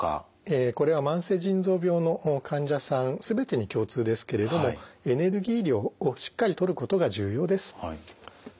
えこれは慢性腎臓病の患者さん全てに共通ですけれどもエネルギー量をしっかりとることが重要です。